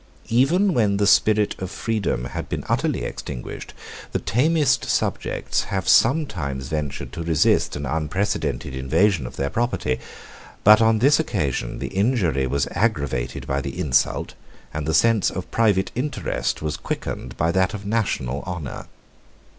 Even when the spirit of freedom had been utterly extinguished, the tamest subjects have sometimes ventured to resist an unprecedented invasion of their property; but on this occasion the injury was aggravated by the insult, and the sense of private interest was quickened by that of national honor.